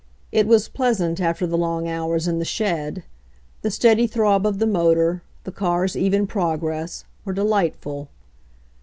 It was pleasant, after the long hours in the shed. The steady throb of the motor, the car's even progress, were delightful.